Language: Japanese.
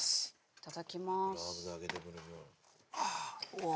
いただきます。